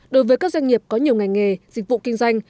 đối với các doanh nghiệp có nhiều ngành nghề dịch vụ kinh doanh